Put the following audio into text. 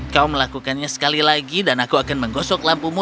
kau melakukannya sekali lagi dan aku akan menggosok lampumu